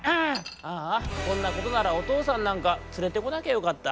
「あぁこんなことならおとうさんなんかつれてこなきゃよかった」。